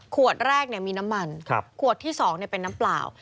ขวดแรกเนี่ยมีน้ำมันขวดที่สองเนี่ยเป็นน้ำเปล่า